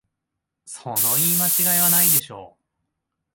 その言い間違いはないでしょ